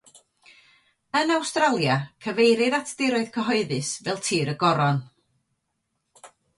Yn Awstralia, cyfeirir at diroedd cyhoeddus fel tir y Goron.